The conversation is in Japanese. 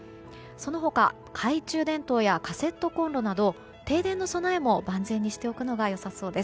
その他、懐中電灯やカセットコンロなど停電の備えも万全にしておくのが良さそうです。